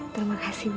terima kasih bu